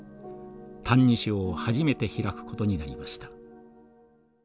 「歎異抄」を初めて開くことになりました。